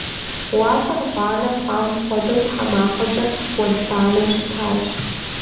Уафэр гъуанэ хъуам хуэдэу тхьэмахуэкӏэ уэлбанэу щытащ.